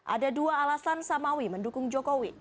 ada dua alasan samawi mendukung jokowi